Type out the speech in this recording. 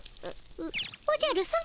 おじゃるさま